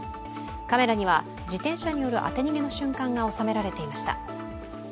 カメラには、自転車による当て逃げの瞬間が収められていました。